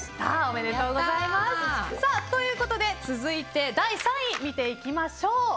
おめでとうございます。ということで続いて第３位見ていきましょう。